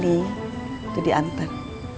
itu di anten